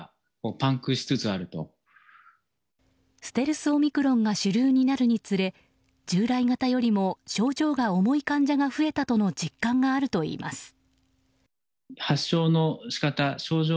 ステルスオミクロンが主流になるにつれ従来型よりも症状が重い患者が増えたとの実感があるといいます。